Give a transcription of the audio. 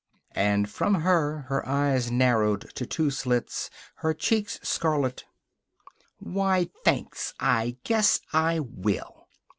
And from her, her eyes narrowed to two slits, her cheeks scarlet: "Why, thanks. I guess I will."